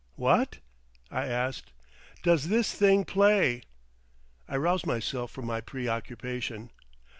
"What?" I asked. "Does this thing play?" I roused myself from my preoccupation.